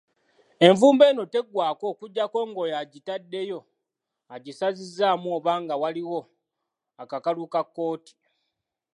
Envumbo eno teggwaako okuggyako ng'oyo agitaddeyo agisazizzaamu oba nga waliwo akakalu ka kkooti.